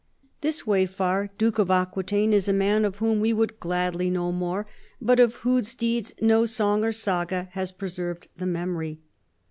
This Waifar, Duke of Aquitaine, is a man of whom we would gladly know more, but of whose deeds no song or saga has preserved the memory.